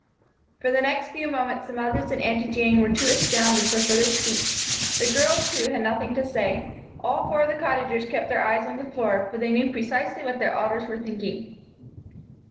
For the next few moments the mothers and Aunty Jane were too astounded for further speech. The girls, too, had nothing to say. All four of the Cottagers kept their eyes on the floor, for they knew precisely what their elders were thinking.